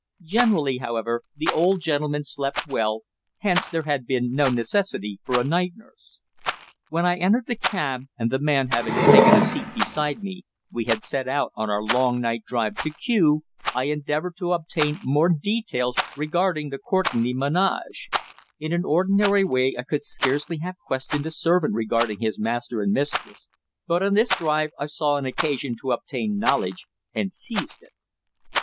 Generally, however, the old gentleman slept well, hence there had been no necessity for a night nurse. When I entered the cab, and the man having taken a seat beside me, we had set out on our long night drive to Kew, I endeavoured to obtain more details regarding the Courtenay ménage. In an ordinary way I could scarcely have questioned a servant regarding his master and mistress, but on this drive I saw an occasion to obtain knowledge, and seized it.